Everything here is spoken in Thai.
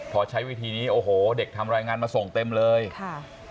พอใช้วิธีนี้โอ้โหเด็กทำรายงานมาส่งเต็มเลยค่ะ